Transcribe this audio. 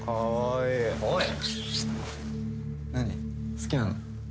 好きなの？